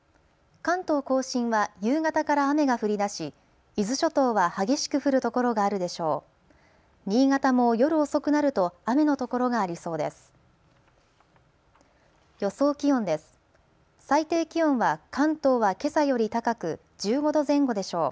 関東甲信は夕方から雨が降りだし伊豆諸島は激しく降る所があるでしょう。